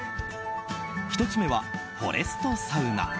１つ目はフォレストサウナ。